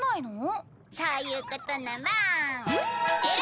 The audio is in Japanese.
そういうことなら。